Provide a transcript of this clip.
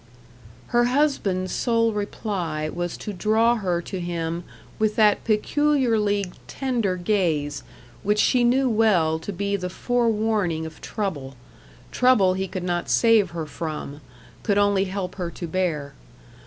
Her husband's sole reply was to draw her to him with that peculiarly tender gaze, which she knew well to be the forewarning of trouble; trouble he could not save her from could only help her to bear.